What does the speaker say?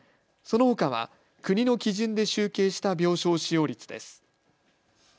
そのほかは国の基準で集計した病床使用率です。